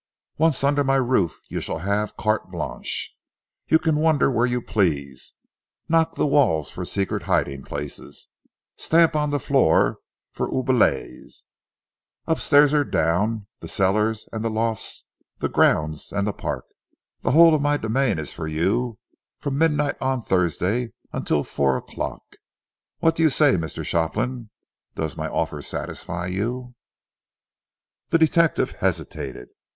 Once under my roof you shall have carte blanche. You can wander where you please, knock the walls for secret hiding places, stamp upon the floor for oubliettes. Upstairs or down, the cellars and the lofts, the grounds and the park, the whole of my domain is for you from midnight on Thursday until four o'clock. What do you say, Mr. Shopland? Does my offer satisfy you?" The detective hesitated.